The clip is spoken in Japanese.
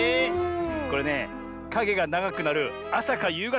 これねかげがながくなるあさかゆうがたがおすすめだぜ。